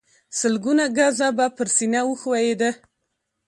سلګونه ګزه به پر سينه وښويېد.